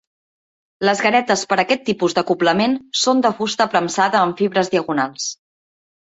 Les galetes per aquest tipus d'acoblament són de fusta premsada amb fibres diagonals.